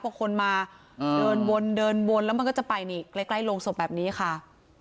แค่พวกคนมาเดินวนแล้วมันก็จะไปใกล้โรงศพแบบนี้ค่ะ